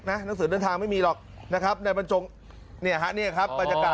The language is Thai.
นักศึกษ์เดินทางไม่มีหรอกนะครับ